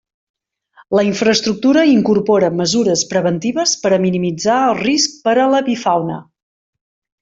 La infraestructura incorpora mesures preventives per a minimitzar el risc per a l'avifauna.